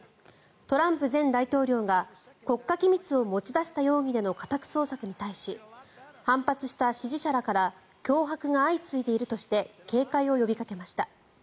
トランプ前大統領が国家機密を持ち出した容疑での家宅捜索に対し反発した支持者らから脅迫が相次いでいるとして警戒を呼びかけました。